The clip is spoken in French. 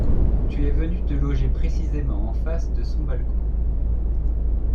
Tu es venu te loger précisément en face de son balcon.